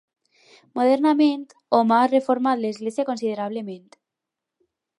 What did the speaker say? Modernament, hom ha reformat l'església considerablement.